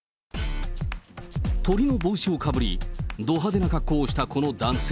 とりの帽子をかぶり、ど派手な格好をしたこの男性。